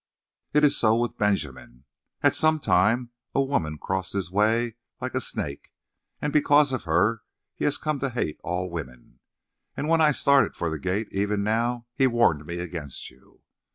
"It is so with Benjamin. At some time a woman crosses his way like a snake, and because of her he has come to hate all women. And when I started for the gate, even now, he warned me against you."